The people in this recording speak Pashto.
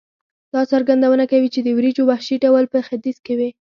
دا څرګندونه کوي چې د وریجو وحشي ډول په ختیځ کې وې.